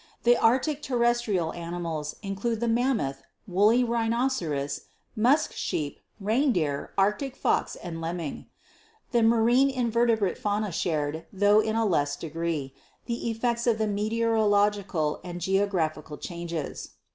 The Arctic terrestrial animals include the mammoth woolly rhinoceros, musk sheep, reindeer, Arctic fox and lemming. The marine invertebrate fauna shared, tho in a less degree, in the effects of the meteorological and geographical changes.